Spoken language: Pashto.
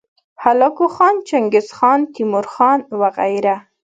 هلاکو خان، چنګیزخان، تیمورخان وغیره